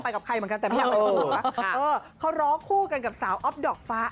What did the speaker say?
เขาร้องคู่กันกับสาวอ๊อบดอกฟ้า